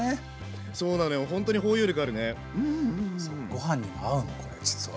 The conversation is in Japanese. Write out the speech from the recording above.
ご飯にも合うのこれ実は。